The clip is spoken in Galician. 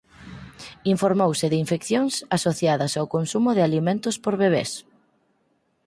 Informouse de infeccións asociadas ao consumo de alimentos por bebés.